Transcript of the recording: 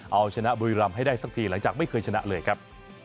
เอาชนะบุรีรำให้ได้สักทีหลังจากไม่เคยชนะเลยครับ